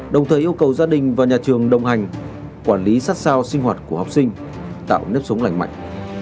đồng thời yêu cầu gia đình và nhà trường đồng hành quản lý sát sao sinh hoạt của học sinh tạo nếp sống lành mạnh